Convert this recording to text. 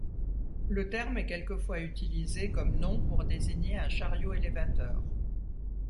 Le terme est quelquefois utilisé comme nom pour désigner un chariot élévateur.